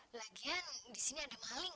lagian di sini ada maling